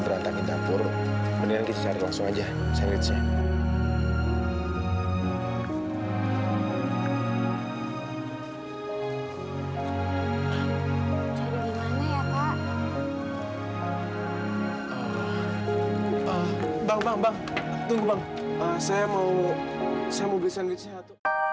saya mau beli sandal sehat